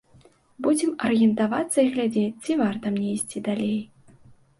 Будзем арыентавацца і глядзець, ці варта мне ісці далей.